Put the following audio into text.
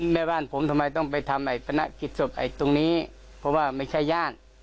แม่บ้านผมทำไมต้องไปทำไอ้พนักกิจศพไอ้ตรงนี้เพราะว่าไม่ใช่ญาติ